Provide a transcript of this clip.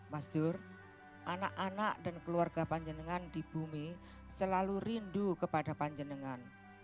mas dur anak anak dan keluarga panjenengan di bumi selalu rindu kepada panjenengan